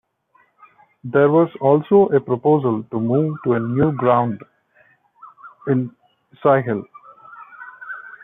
There was also a proposal to move to a new ground in Sighthill.